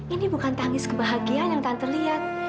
ini bukan tangis kebahagiaan yang tante lihat